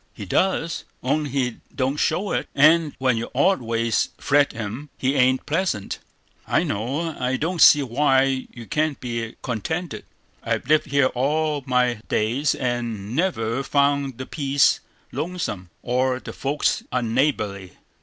He does, only he don't show it; and when your odd ways fret him, he ain't pleasant, I know. I don't see why you can't be contented; I've lived here all my days, and never found the place lonesome, or the folks unneighborly."